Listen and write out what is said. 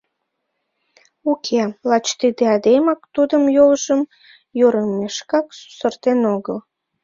Уке, лач тиде айдемак тудын йолжым ойырымешке сусыртен огыл.